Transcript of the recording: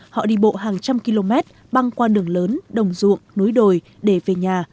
họ đi bộ hàng trăm km băng qua đường lớn đồng ruộng núi đồi để về nhà